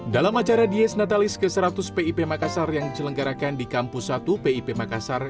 dalam acara disnatalis ke seratus pip makassar yang dijalankan di kampus satu pip makassar